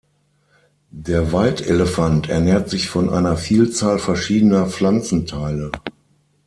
Der Waldelefant ernährt sich von einer Vielzahl verschiedener Pflanzenteile.